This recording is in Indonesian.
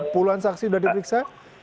puluhan saksi sudah diperiksa